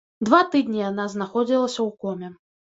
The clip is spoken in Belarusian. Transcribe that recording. Два тыдні яна знаходзілася ў коме.